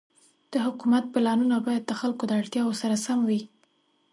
د حکومت پلانونه باید د خلکو د اړتیاوو سره سم وي.